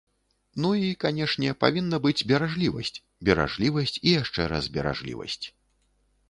Ну, і, канешне, павінна быць беражлівасць, беражлівасць і яшчэ раз беражлівасць.